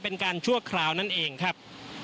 เป็นการชั่วคราวนั่นเองครับ